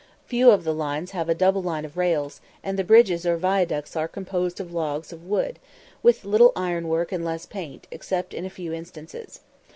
Few of the lines have a double line of rails, and the bridges or viaducts are composed of logs of wood, with little ironwork and less paint, except in a few instances.